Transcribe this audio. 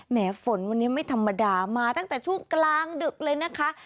ฝนวันนี้ไม่ธรรมดามาตั้งแต่ช่วงกลางดึกเลยนะคะ